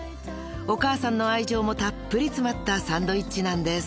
［お母さんの愛情もたっぷり詰まったサンドイッチなんです］